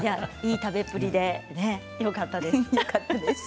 いい食べっぷりでよかったです。